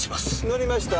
乗りました？